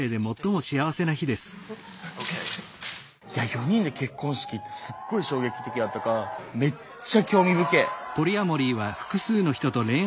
４人で結婚式ってすっごい衝撃的やったからはいカット！